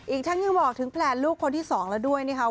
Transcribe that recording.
อีกทั้งยังบอกถึงแพลนลูกคนที่๒แล้วด้วยนะคะ